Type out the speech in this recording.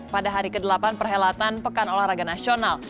pada hari ke delapan perhelatan pekan olahraga nasional